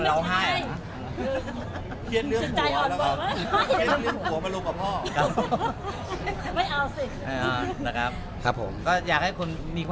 ตอนนี้ยังไม่มีใครอยากฝันแล้ว